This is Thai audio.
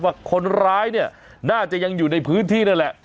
ว่าคนร้ายเนี่ยน่าจะยังอยู่ในพื้นที่นั่นแหละ